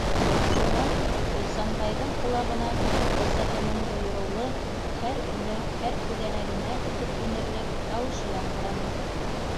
Шунан Ихсанбайҙың ҡолағына әсәһенең бойороулы, һәр өнө һәр күҙәнәгенә үтеп инерлек тауышы яңғыраны: